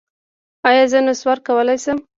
ایا زه نسوار کولی شم؟